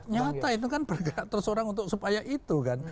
nyata itu kan bergerak tersorang untuk supaya itu kan